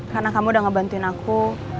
karena kamu udah ngebantuin aku